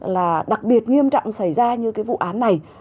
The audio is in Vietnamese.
là đặc biệt nghiêm trọng xảy ra như cái vụ án này